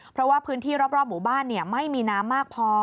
เพราะว่าพื้นที่รอบหมู่บ้านไม่มีน้ำมากพอ